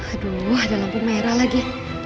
aduh ada lampu merah lagi